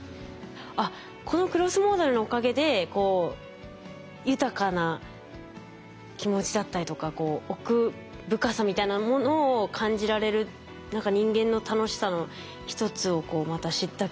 あっこのクロスモーダルのおかげでこう豊かな気持ちだったりとか奥深さみたいなものを感じられる何か人間の楽しさの一つをまた知った気がします。